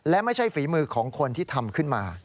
และไม่ใช่ฝีมือของคนที่ทำขึ้นมา